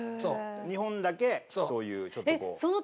日本だけそういうちょっとこう。